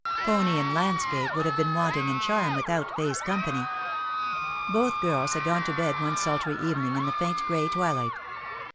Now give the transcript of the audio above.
Pony and landscape would have been wanting in charm without Fay's com pany. Both girls had gone to bed one sultry evening in the faint gray twilight.